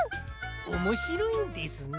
おもしろいんですね？